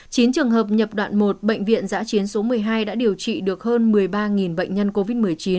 chín trường hợp nhập đoạn một bệnh viện giã chiến số một mươi hai đã điều trị được hơn một mươi ba bệnh nhân covid một mươi chín